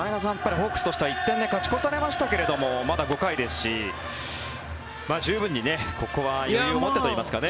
ホークスとしては１点勝ち越されましたけれどもまだ５回ですし、十分にここは余裕を持ってといいますかね。